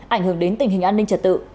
ảnh hưởng đến tình hình an ninh trật tự